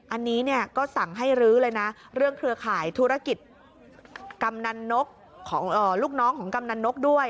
อันนี้เนี่ยก็สั่งให้รื้อเลยนะเรื่องเครือข่ายธุรกิจกำนันนกของลูกน้องของกำนันนกด้วย